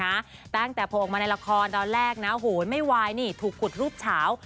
แต่ตั้งแต่พอออกมาในละครดังแรกนะโหไม่ไวนี่ถูกขุดรูปเฉา